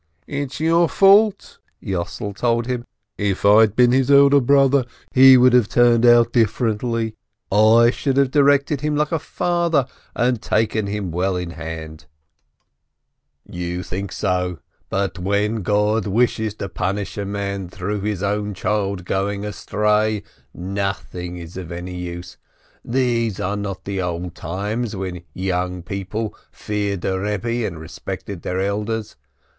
"It's your fault," Yossel told him. "If I'd been his elder brother, he would have turned out differently! I should have directed him like a father, and taken him well in hand." 7 94 SPEKTOR "You think so, but when God wishes to punish a man through his own child going astray, nothing is of any use; these are not the old times, when young people feared a Rebbe, and respected their elders.